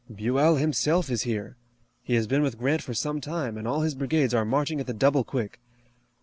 "Buell, himself, is here. He has been with Grant for some time, and all his brigades are marching at the double quick.